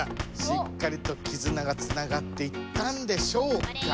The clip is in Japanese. しっかりとキズナがつながっていったんでしょうか。